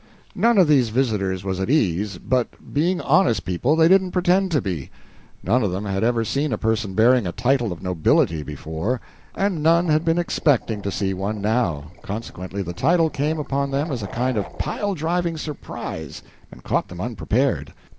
None of these visitors was at ease, but, being honest people, they didn't pretend to be. None of them had ever seen a person bearing a title of nobility before, and none had been expecting to see one now, consequently the title came upon them as a kind of pile driving surprise and caught them unprepared.